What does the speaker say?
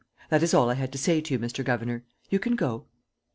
That is all I had to say to you, Mr. Governor. You can go."